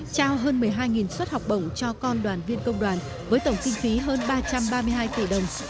trao hơn một mươi hai suất học bổng cho con đoàn viên công đoàn với tổng kinh phí hơn ba trăm ba mươi hai tỷ đồng